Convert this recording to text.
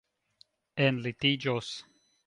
enlitiĝos